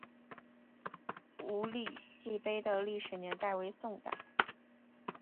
五礼记碑的历史年代为宋代。